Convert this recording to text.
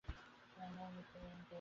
তিনি আবওয়ায় মৃত্যুবরণ করেন।